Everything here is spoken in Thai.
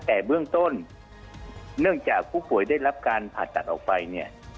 แต่เบื้องต้นเนื่องจากผู้ป่วยได้รับการผ่าตัดออกไปเนี่ย